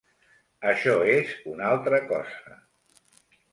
Això és una altra cosa.